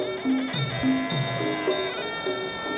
สูง๑๗๙เซนติเมตรครับ